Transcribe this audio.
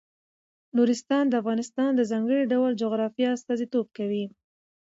نورستان د افغانستان د ځانګړي ډول جغرافیه استازیتوب کوي.